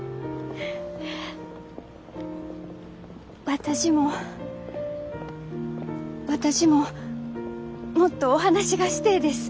私も私ももっとお話がしてえです